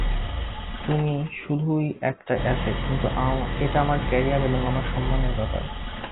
তুমি শুধুই একটা অ্যাসেট, কিন্তু এটা আমার ক্যারিয়ার এবং আমার সম্মানের ব্যাপার।